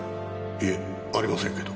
いえありませんけど。